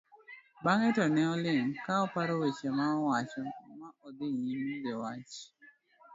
bang'e to ne oling' ka oparo weche mowacho ma odhi nyime giwacho